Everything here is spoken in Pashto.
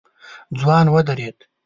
ځوان ودرېد.